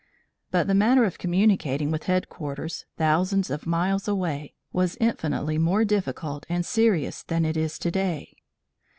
But the matter of communicating with headquarters, thousands of miles away, was infinitely more difficult and serious than it is today.